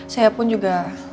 saya pun juga